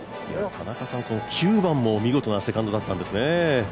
９番も見事なセカンドだったんですね。